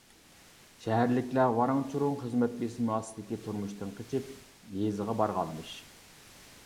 شەھەرلىكلەر ۋاراڭ-چۇرۇڭ، خىزمەت بېسىمى ئاستىدىكى تۇرمۇشتىن قېچىپ يېزىغا بارغانمىش.